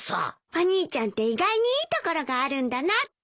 お兄ちゃんって意外にいいところがあるんだなって。